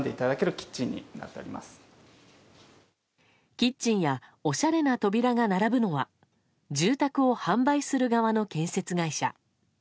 キッチンやおしゃれな扉が並ぶのは住宅を販売する側の建設会社。